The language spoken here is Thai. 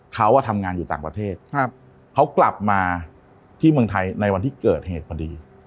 เขาทำงานอยู่ต่างประเทศเขากลับมาที่เมืองไทยในวันที่เกิดเหตุพอดี